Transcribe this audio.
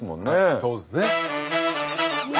そうですね。